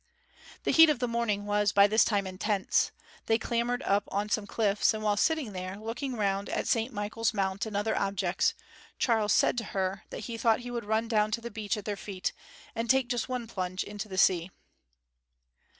The heat of the morning was by this time intense. They clambered up on some cliffs, and while sitting there, looking around at St Michael's Mount and other objects, Charles said to her that he thought he would run down to the beach at their feet, and take just one plunge into the sea.